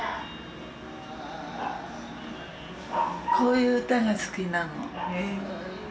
こういう歌が好きなの。